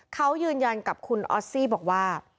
เขายืนยันกับคุณออสซี่บอกว่า